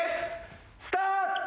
スタート。